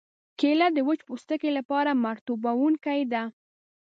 کېله د وچ پوستکي لپاره مرطوبوونکې ده.